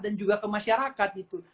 dan juga ke masyarakat